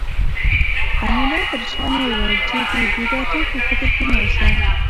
انیلا په ریشخند وویل چې ته د بوډاتوب په فکر کې مه اوسه